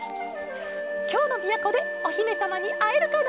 「きょうのみやこでおひめさまにあえるかな？